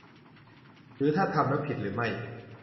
หรือถ้าทำแล้วผิดหรือไม่